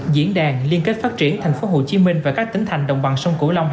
diễn đàn liên kết phát triển tp hcm và các tỉnh thành đồng bằng sông cửu long hai nghìn hai mươi một